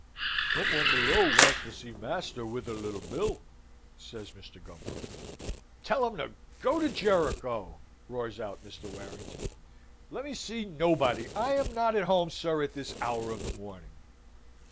"Some one below wants to see master with a little bill," says Mr. Gumbo. "Tell him to go to Jericho!" roars out Mr. Warrington. "Let me see nobody! I am not at home, sir, at this hour of the morning!"